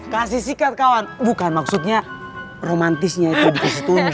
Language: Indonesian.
kasih sikat kawan bukan maksudnya romantisnya itu dikasih tulang